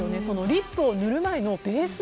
リップを塗る前のベース。